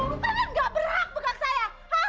lu tak ada berat mengangkat saya